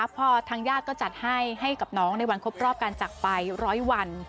พอทางญาติก็จัดให้ให้กับน้องในวันครบรอบการจักรไป๑๐๐วัน